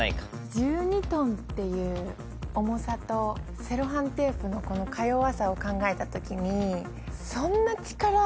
１２ｔっていう重さとセロハンテープのか弱さを考えた時に。